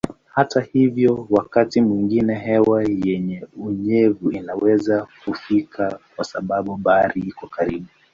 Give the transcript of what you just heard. Hata hivyo wakati mwingine hewa yenye unyevu inaweza kufika kwa sababu bahari iko karibu.